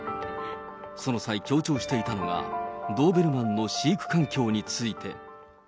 その際、強調していたのがドーベルマンの飼育環境について。